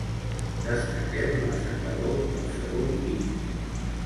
Destaquem l'assecador del segon pis.